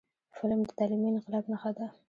قلم د تعلیمي انقلاب نښه ده